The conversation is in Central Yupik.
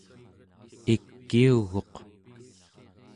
ikiuguq